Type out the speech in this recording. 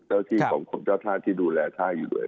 เจ้าที่ของกรมเจ้าท่าที่ดูแลท่าอยู่ด้วย